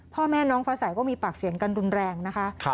พ่อแม่น้องฟ้าใสก็มีปากเสียงกันรุนแรงนะคะ